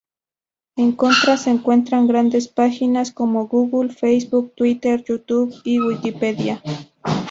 En contra se encuentran grandes páginas como Google, Facebook, Twitter, Youtube, y Wikipedia.